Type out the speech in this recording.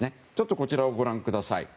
こちらをご覧ください。